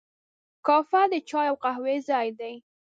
کافه د چای او قهوې ځای دی.